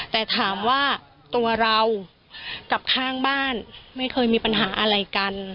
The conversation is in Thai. แต่ถามว่าตัวเรากับข้างบ้านไม่เคยมีปัญหาอะไรกัน